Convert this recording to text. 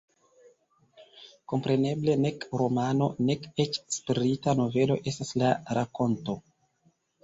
Kompreneble nek romano, nek eĉ sprita novelo estas la rakonto.